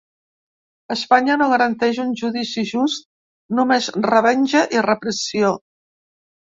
Espanya no garanteix un judici just; només revenja i repressió.